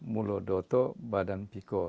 mulut doto badan piko